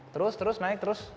terus terus naik terus